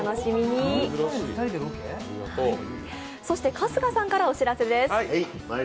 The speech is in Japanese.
春日さんからお知らせです。